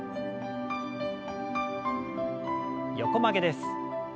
横曲げです。